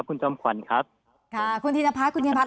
คุณจำขวัญครับค่ะคุณธีนภาพคุณธีนภาพ